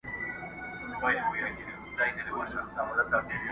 محرابونه به موخپل جومات به خپل وي!